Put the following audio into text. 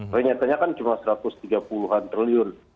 tapi nyatanya kan cuma satu ratus tiga puluh an triliun